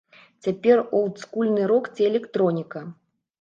Цяпер олдскульны рок ці электроніка.